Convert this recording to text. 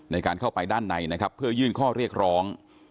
ในการเข้าไปด้านในนะครับเพื่อยื่นข้อเรียกร้อง